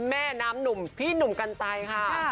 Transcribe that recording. แม่น้ำหนุ่มพี่หนุ่มกัญชัยค่ะ